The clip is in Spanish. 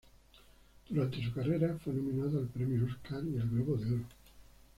Durante su carrera fue nominado al Premio Óscar y al Globo de Oro.